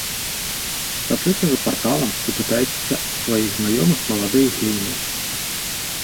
Сачыце за парталам і пытайцеся ў сваіх знаёмых маладых геніяў.